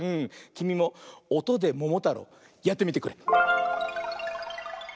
きみも「おとでももたろう」やってみてくれ。